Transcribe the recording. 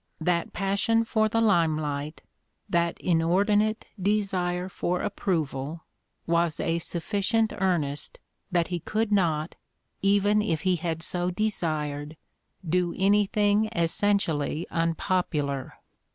That passion for the limelight, that inordinate desire for approval was a sufiicient earnest that he could not, even if he had so desired, do anything essentially unpopular.